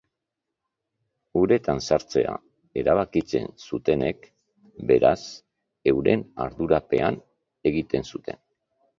Uretan sartzea erabakitzen zutenek, beraz, euren ardurapean egiten zuten.